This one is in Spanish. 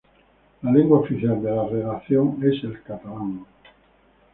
La lengua oficial de la Redacción es el catalán.